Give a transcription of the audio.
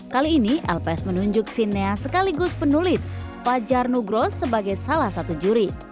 kali ini lps menunjuk sineas sekaligus penulis fajar nugro sebagai salah satu juri